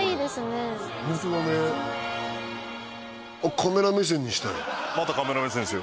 カメラ目線にしたよ